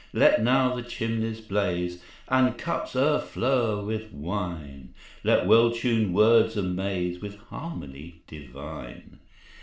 Let now the chimneys blaze, And cups o'erflow with wine; Let well tuned words amaze With harmony divine.